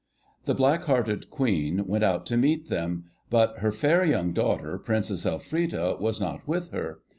The black hearted Queen went out to meet them, but her fair young daughter, Princess Elfrida, was not with her.